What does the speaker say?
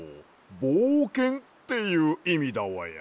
ぼうけんっていういみだわや。